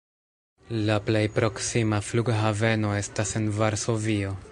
La plej proksima flughaveno estas en Varsovio.